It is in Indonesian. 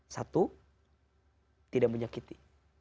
satu tidak menyakiti